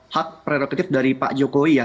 hak prerogatif dari pak jokowi ya